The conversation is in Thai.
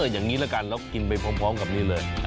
อย่างนี้ละกันแล้วกินไปพร้อมกับนี่เลย